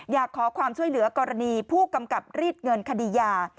อยากขอความช่วยเหลือกรณีผู้กำกับรีดเงินคดียา